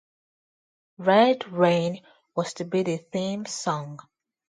"Red Rain" was to be the theme song.